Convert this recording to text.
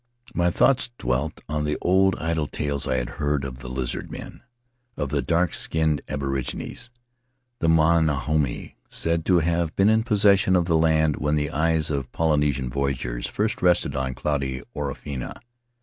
My thoughts dwelt on the old idle tales I had heard — of the Lizard men, of the dark skinned aborigines, the Manahune, said to have been in possession of the land when the eyes of Polynesian voyagers first rested on cloudy Orofena.